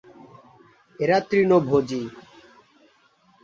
এরা তৃণভোজী।